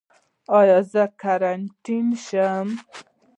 ایا زه قرنطین شم؟